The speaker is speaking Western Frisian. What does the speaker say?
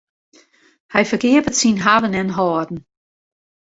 Hy ferkeapet syn hawwen en hâlden.